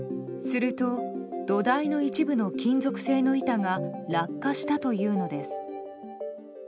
すると土台の一部の金属製の板が落下したというのです。